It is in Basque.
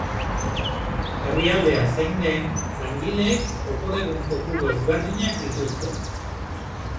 Herrialdea zein den, langileek opor egun kopuru ezberdinak dituzte.